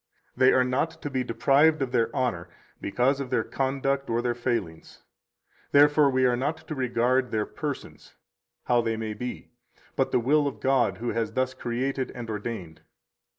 They are not to be deprived of their honor because of their conduct or their failings. Therefore we are not to regard their persons, how they may be, but the will of God who has thus created and ordained.